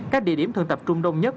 các địa điểm thường tập trung đông nhất